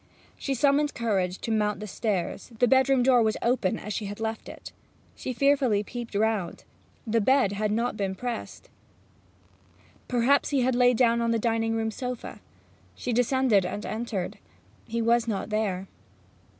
She summoned courage to mount the stairs; the bedroom door was open as she had left it. She fearfully peeped round; the bed had not been pressed. Perhaps he had lain down on the dining room sofa. She descended and entered; he was not there.